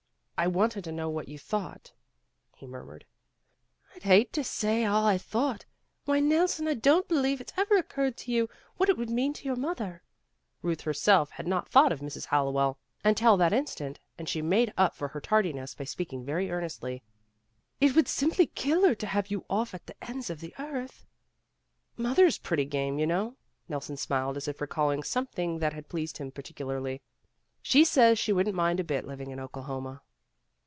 "I wanted to know what you thought," he murmured. "I'd hate to say all I thought. Why, Nelson, I don 't believe it 's ever occurred to you what it would mean to your mother." Euth herself THE MOST WONDERFUL THING 133 had not thought of Mrs. Hallowell until that instant, and she made up for her tardiness by speaking very earnestly. "It would simply kill her to have you off at the ends of the earth/* 1 1 Mother 's pretty game, you know. '' Nelson smiled as if recalling something that had pleased him particularly. "She says she wouldn't mind a bit living in Oklahoma."